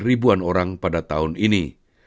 ribuan orang pada tahun ini